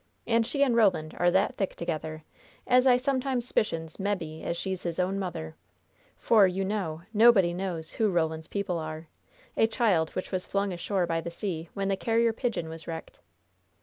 And she and Roland are that thick together as I sometimes s'picions mebbe as she's his own mother; for, you know, nobody knows who Roland's people are a child which was flung ashore by the sea when the Carrier Pigeon was wrecked."